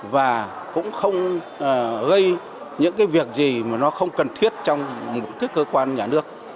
và cũng không gây những việc gì mà nó không cần thiết trong một cơ quan nhà nước